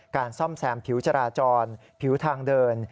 ซ่อมแซมผิวจราจรผิวทางเดิน